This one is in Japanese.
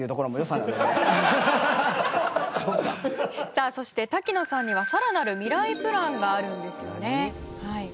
さあそして滝野さんにはさらなるミライプランがあるんですよね。